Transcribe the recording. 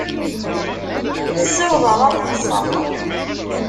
Ssiwḍeɣ ad ṭṭseɣ.